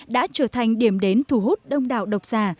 đã trở thành điểm đến thu hút đông đảo độc giả